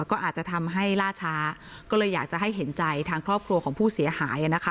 ก็อาจจะทำให้ล่าช้าก็เลยอยากจะให้เห็นใจทางครอบครัวของผู้เสียหายนะคะ